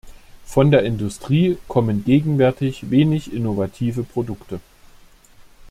Von der Industrie kommen gegenwärtig wenig innovative Produkte.